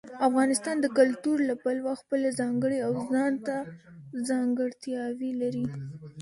افغانستان د کلتور له پلوه خپله ځانګړې او ځانته ځانګړتیاوې لري.